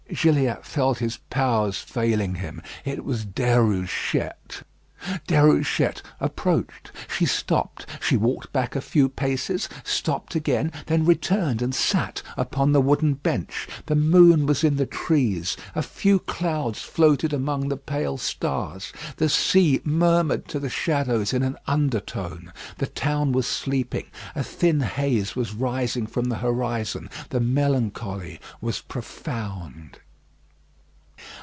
Gilliatt felt his powers failing him: it was Déruchette. Déruchette approached. She stopped. She walked back a few paces, stopped again, then returned and sat upon the wooden bench. The moon was in the trees, a few clouds floated among the pale stars; the sea murmured to the shadows in an undertone, the town was sleeping, a thin haze was rising from the horizon, the melancholy was profound.